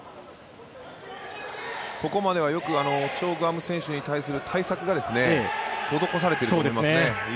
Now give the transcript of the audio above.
ここまではよくチョ・グハム選手に対する対策が施されていると思います。